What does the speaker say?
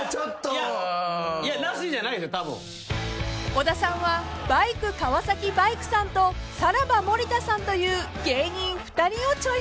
［小田さんはバイク川崎バイクさんとさらば森田さんという芸人２人をチョイス］